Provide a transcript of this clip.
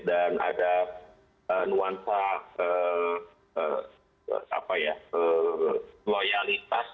dan ada nuansa apa ya loyalitas